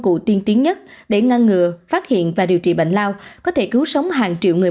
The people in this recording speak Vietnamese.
cụ tiên tiến nhất để ngăn ngừa phát hiện và điều trị bệnh lao có thể cứu sống hàng triệu người